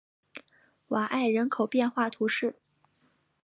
瓦埃人口变化图示